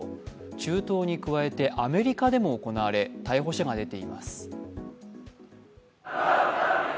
中東に加えてアメリカでも行われ逮捕者が出ています。